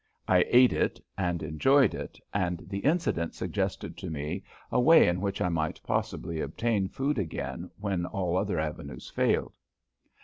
I ate it and enjoyed it, and the incident suggested to me a way in which I might possibly obtain food again when all other avenues failed.